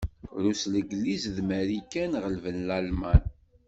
Rrus, Legliz d Marikan ɣelben Lalman.